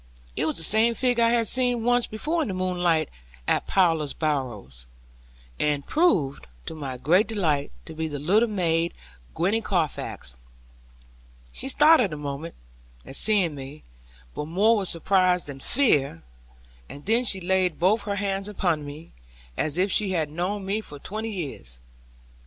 It was the same figure I had seen once before in the moonlight, at Plover's Barrows; and proved, to my great delight, to be the little maid Gwenny Carfax. She started a moment, at seeing me, but more with surprise than fear; and then she laid both her hands upon mine, as if she had known me for twenty years.